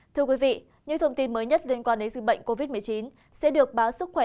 thưa quý vị những thông tin mới nhất liên quan đến dịch bệnh covid một mươi chín sẽ được báo sức khỏe